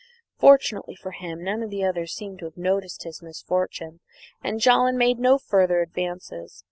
Fortunately for him none of the others seemed to have noticed his misfortune, and Jolland made no further advances.